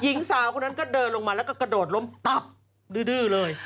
หญิงสาวคนนั้นก็เดินลงมาแล้วก็กระโดดล้มตับดื้อเลย